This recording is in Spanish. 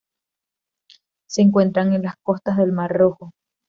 Se encuentran en las costas del Mar Rojo.